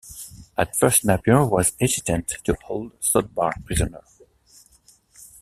At first Napier was hesitant to hold Sodbar prisoner.